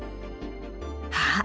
あっ！